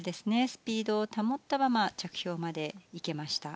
スピードを保ったまま着氷まで行けました。